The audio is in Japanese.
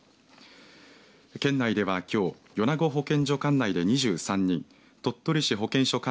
県内では、きょう米子保健所管内で２３人鳥取市保健所